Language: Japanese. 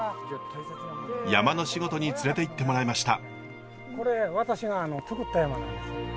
山の仕事に連れていってもらいました。